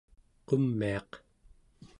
qumiaq